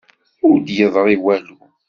Ur d-yeḍṛi walu.